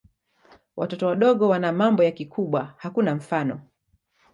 Watoto wadogo wana mambo ya kikubwa hakuna mfano.